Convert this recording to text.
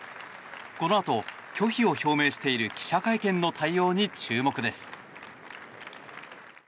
このあと、拒否を表明している記者会見の対応に注目です。